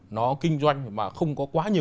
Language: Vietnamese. nó kinh doanh mà không có quá nhiều